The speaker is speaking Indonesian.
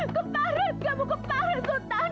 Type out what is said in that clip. keparet kamu keparat sutan